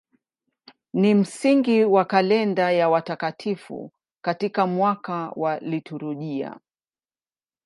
Ni msingi wa kalenda ya watakatifu katika mwaka wa liturujia.